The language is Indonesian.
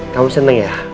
kamu seneng ya